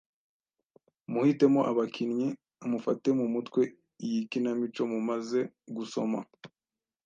Muhitemo abakinnyi, mufate mu mutwe iyi kinamico mumaze gusoma,